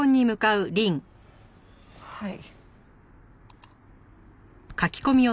はい。